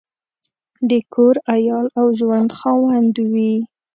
د کور، عیال او ژوند خاوند وي.